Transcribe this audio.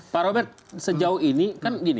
pak robert sejauh ini kan gini